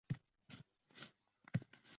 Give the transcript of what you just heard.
Kechqurun o‘sma ezib qo‘yuvdim.